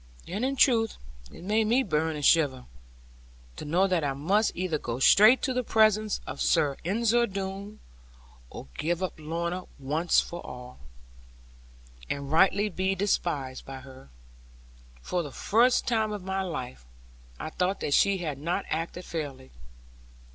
And in truth, it made me both burn and shiver, to know that I must either go straight to the presence of Sir Ensor Doone, or give up Lorna, once for all, and rightly be despised by her. For the first time of my life, I thought that she had not acted fairly.